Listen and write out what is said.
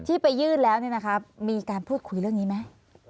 ที่ไปยื่นแล้วนี่นะครับมีการพูดคุยเรื่องนี้ไหม